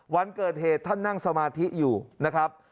วันเกิดเหตุท่านนั่งสมาธิอยู่นะครับ